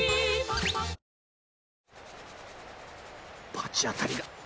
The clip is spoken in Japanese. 罰当たりが。